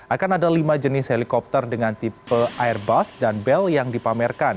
akan ada lima jenis helikopter dengan tipe airbus dan bel yang dipamerkan